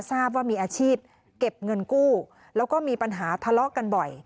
ทราบว่ามีอาชีพเก็บเงินกู้แล้วก็มีปัญหาทะเลาะกันบ่อย